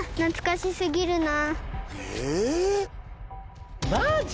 懐かしすぎるなあ。